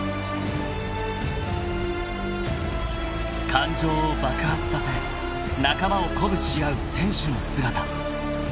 ［感情を爆発させ仲間を鼓舞し合う選手の姿］